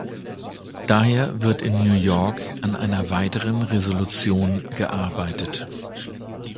Daher wird in New York an einer weiteren Resolution gearbeitet.